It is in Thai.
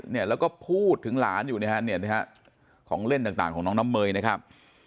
เนี่ยแล้วก็พูดถึงหลานอยู่นะฮะของเล่นต่างต่างของน้องน้ำเมยนะครับ